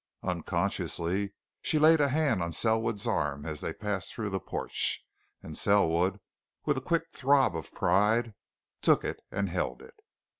Unconsciously, she laid a hand on Selwood's arm as they passed through the porch, and Selwood, with a quick throb of pride, took it and held it.